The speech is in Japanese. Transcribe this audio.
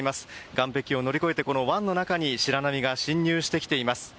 岸壁を乗り越えて、湾の中に白波が浸入してきています。